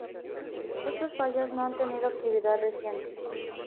Estas fallas no han tenido actividad reciente.